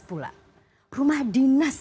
pula rumah dinas